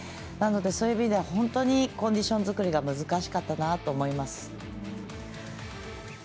なので、そういう意味ではコンディション作りが難しかったなと思います。